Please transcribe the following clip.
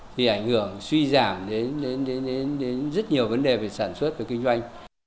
thì ảnh hưởng suy giảm đến rất nhiều vấn đề về sản xuất và kinh doanh